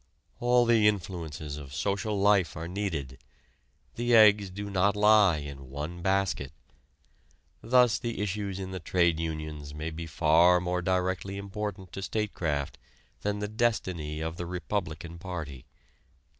All the influences of social life are needed. The eggs do not lie in one basket. Thus the issues in the trade unions may be far more directly important to statecraft than the destiny of the Republican Party.